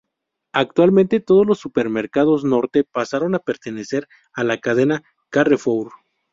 Actualmente todos los supermercados Norte, pasaron a pertenecer a la cadena Carrefour.